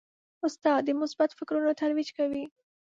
استاد د مثبت فکرونو ترویج کوي.